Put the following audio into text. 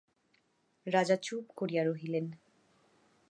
রাজা চুপ করিয়া রহিলেন।